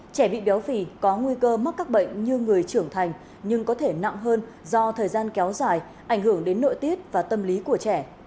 trẻ bị béo phì có nguy cơ mắc các bệnh như người trưởng thành nhưng có thể nặng hơn do thời gian kéo dài ảnh hưởng đến nội tiết và tâm lý của trẻ